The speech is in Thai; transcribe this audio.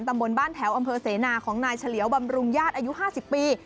ตำบลบ้านแถวอำเภอเสนาของนายเฉลียวบำรุงญาติอายุ๕๐ปี